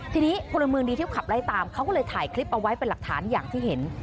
ทีนี้พลเมืองดีที่ขับไล่ตามเขาก็เลยถ่ายคลิปเอาไว้เป็นหลักฐานอย่างที่เห็น